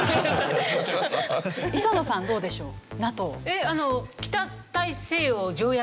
磯野さんどうでしょう？